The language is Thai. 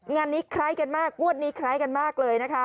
งานนี้คล้ายกันมากงวดนี้คล้ายกันมากเลยนะคะ